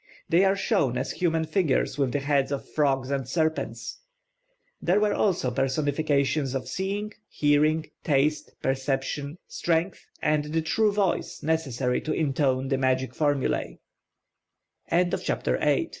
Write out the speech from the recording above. They are shown as human figures with the heads of frogs and serpents. There were also personifications of Seeing, Hearing, Taste, Perception, Strength, and the 'true voice' necessary to intone the magic for